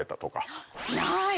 ない！